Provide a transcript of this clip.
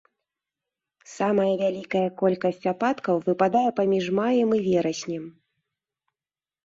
Самая вялікая колькасць ападкаў выпадае паміж маем і вераснем.